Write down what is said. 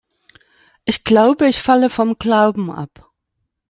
Ich glaube, ich falle vom Glauben ab.